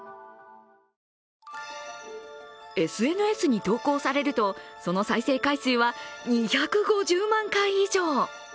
ＳＮＳに投稿されると、その再生回数は２５０万回以上。